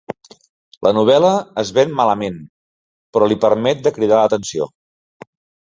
La novel·la es ven malament, però li permet de cridar l'atenció.